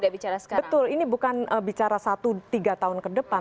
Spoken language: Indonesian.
betul ini bukan bicara satu tiga tahun ke depan